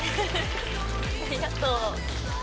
ありがとう。